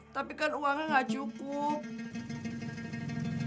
tapi kan uangnya nggak cukup